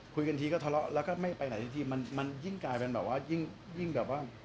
คุยกันทีก็ทะเลาะแล้วก็ไม่ไปไหนสักทีมันยิ่งกลายเป็นแบบว่ายิ่งแบบว่า